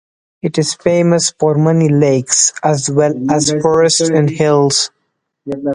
It is famous for many lakes, as well as forests and hills.